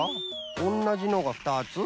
おんなじのが２つ？